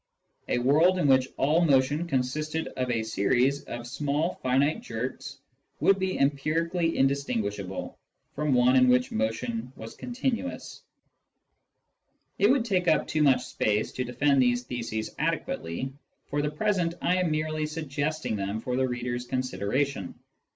A world in which all motion consisted of a series of small finite jerks would be empirically indistinguishable from one in which motion was continuous. It would take up too much space to The Axiom of Infinity and Logical Types 141 defend these theses adequately ; for the present I am merely suggesting them for the reader's consideration.